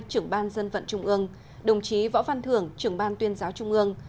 trưởng ban dân vận trung ương đồng chí võ văn thưởng trưởng ban tuyên giáo trung ương